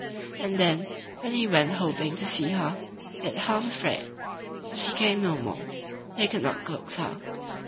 And then, when he went hoping to see her, yet half afraid, she came no more. They could not coax her.